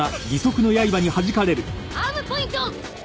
アームポイント！